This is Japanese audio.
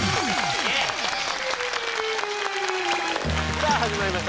さあ始まりました